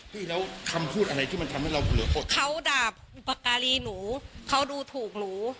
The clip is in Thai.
พี่แล้วคำพูดอะไรที่มันทำให้เราเหลืออดเขาด่าอุปการีหนูเขาดูถูกหนู